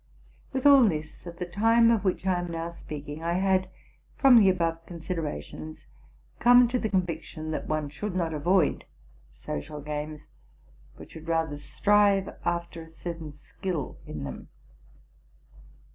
With all this, at the time of which I am now speaking, I had, from the above con siderations, come to the conviction, that one should not avoid social games, but should rather strive after a certain skill in them.